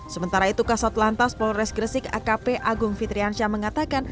sementara itu kasat lantas polres gresik akp agung fitriansyah mengatakan